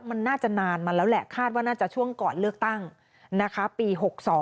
มันน่าจะนานมาแล้วแหละคาดว่าน่าจะช่วงก่อนเลือกตั้งนะคะปี๖๒